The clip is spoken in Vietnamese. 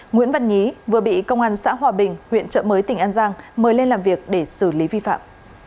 nguyễn văn nhí vừa bị công an xã hòa bình huyện trợ mới tỉnh an giang mời lên làm việc để xử lý vi phạm